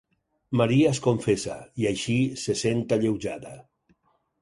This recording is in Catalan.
Maria es confessa i, així, se sent alleujada.